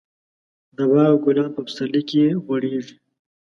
د باغ ګلان په پسرلي کې غوړېږي.